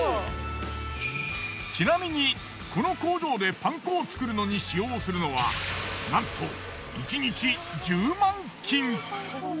ちなみにこの工場でパン粉を作るのに使用するのはなんと１日１０万斤。